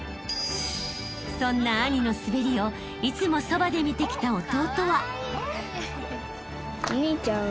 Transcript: ［そんな兄の滑りをいつもそばで見てきた弟は］